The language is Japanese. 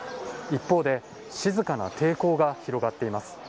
一方で、静かな抵抗が広がっています。